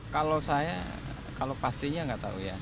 kalau saya kalau pastinya nggak tahu ya